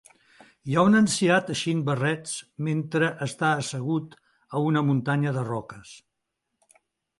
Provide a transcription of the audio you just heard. Hi ha un ancià teixint barrets mentre està assegut a una muntanya de roques.